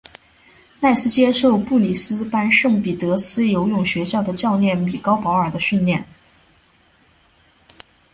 赖斯接受布里斯班圣彼得斯游泳学校的教练米高保尔的训练。